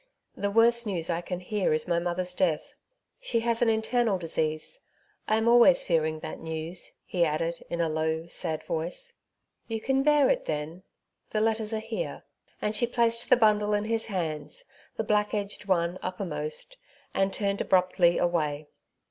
" The worst news I can hear is my mother's death. She has an internal disease. I am always fearing that news," he added in a low, sad voice. You can bear it, then? The letters are here," and she placed the bundle in his hands, the black edged one uppermost, and turned abruptly away.